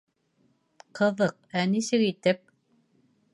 — Ҡыҙыҡ, ә нисек итеп?